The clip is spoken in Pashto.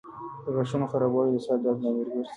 د غاښونو خرابوالی د سر درد لامل ګرځي.